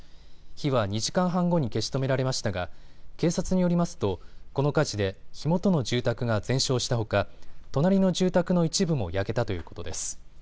火は２時間半後に消し止められましたが警察によりますと、この火事で火元の住宅が全焼したほか隣の住宅の一部も焼けたということです。